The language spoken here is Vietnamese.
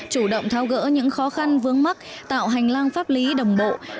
chủ động tháo gỡ những khó khăn vướng mắt tạo hành lang pháp lý đồng bộ